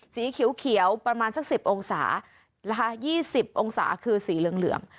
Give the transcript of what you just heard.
สีเขียวเขียวประมาณสักสิบองศานะคะยี่สิบองศาคือสีเหลืองเหลือง